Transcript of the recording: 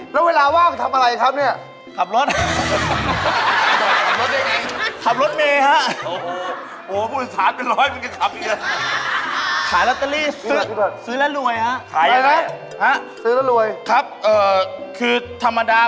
เป็นคนพิเศษอย่างพี่อดื้อเขาอีก